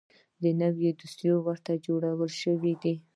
نوې دوسیه ورته جوړه شوې ده .